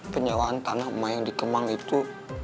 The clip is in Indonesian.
penyewaan tanah yang di kemang itu